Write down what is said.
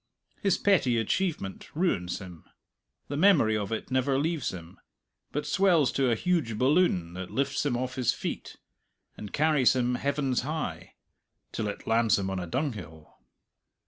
His petty achievement ruins him. The memory of it never leaves him, but swells to a huge balloon that lifts him off his feet and carries him heavens high till it lands him on a dunghill.